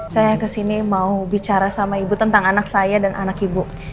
saya kesini mau bicara sama ibu tentang anak saya dan anak ibu